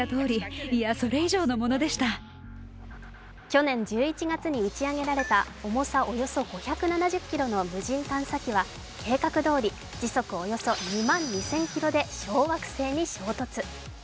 去年１１月に打ち上げられた重さおよそ５７０ｋｇの無人探査機は計画どおり、時速およそ２万２０００キロで小惑星に衝突。